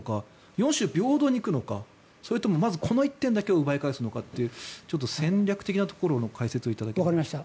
４州平等に行くのかもしくはこの１点だけを奪い返すのかという戦略的なところの解説を頂けますか。